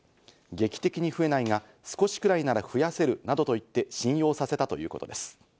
劇的に増えないが、少しくらいなら増やせるなどと言って、信用させたということです。